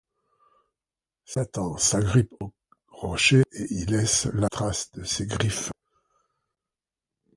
Satan s'agrippe au rocher et y laisse la trace de ses griffes.